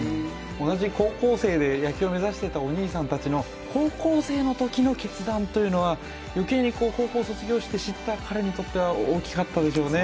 同じ高校生で野球を目指していたお兄さんたちの高校生のときの決断というのは、余計に高校を卒業してから知った彼にとっては大きかったでしょうね。